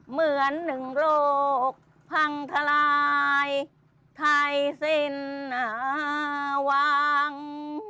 เหมือนหนึ่งโรคพังทลายไทยสิ้นหวัง